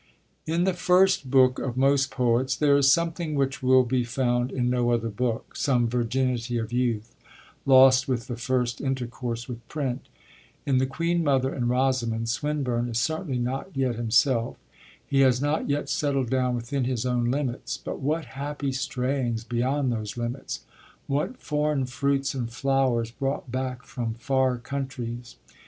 In the first book of most poets there is something which will be found in no other book; some virginity of youth, lost with the first intercourse with print. In The Queen Mother and Rosamond Swinburne is certainly not yet himself, he has not yet settled down within his own limits. But what happy strayings beyond those limits! What foreign fruits and flowers, brought back from far countries!